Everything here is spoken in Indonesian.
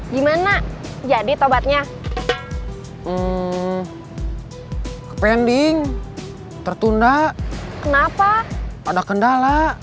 gimana jadi tobatnya ume hai kebending tertunda kenapa pada kendala kendala